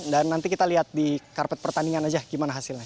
dan nanti kita lihat di karpet pertandingan aja gimana hasilnya